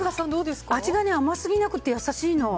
味が甘すぎなくて優しいの。